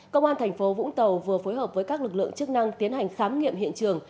công an thành phố vũng tàu vừa phối hợp với các lực lượng chức năng tiến hành khám nghiệm hiện trường